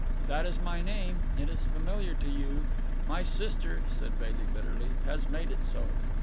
"That is my name. It is familiar to you. My sister," said Bailey bitterly, "has made it so."